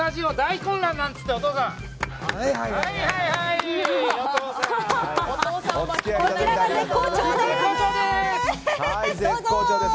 こちらは絶好調です！